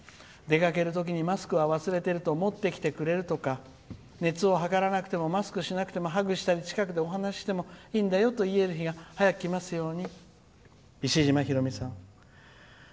出かけるときにマスクを忘れていると持ってきてくれるとか熱を測らなくてもマスクしなくてもハグしたり近くでお話ししてもいいんだよと言える日が早くきますように」。